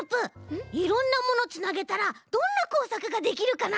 いろんなものつなげたらどんなこうさくができるかな？